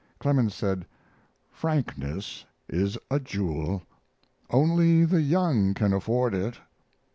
Clemens said: "Frankness is a jewel; only the young can afford it."